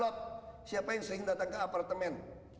sebab siapa yang sering datang ke apartemen